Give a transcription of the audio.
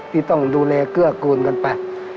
ที่ต้องดูแลเกื้อกูลกันไป